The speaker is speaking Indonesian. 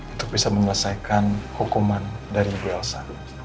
untuk bisa menyelesaikan hukuman dari ibu elsa